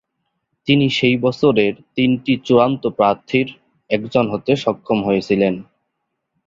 তিনি সেই বছরের তিনটি চূড়ান্ত প্রার্থীর একজন হতে সক্ষম হয়েছিলেন।